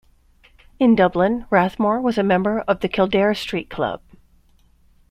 In Dublin, Rathmore was a member of the Kildare Street Club.